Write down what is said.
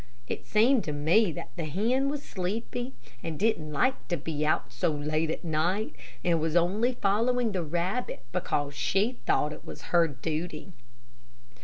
It seemed to me that the hen was sleepy, and didn't like to be out so late at night, and was only following the rabbit because she thought it was her duty.